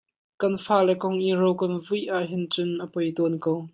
Kan fale kong i ro kan vuih ah hin cun a poi tawn ko.